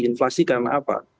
inflasi karena apa